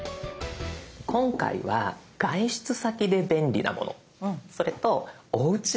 今回は外出先で便利なものそれとおうちで便利なもの。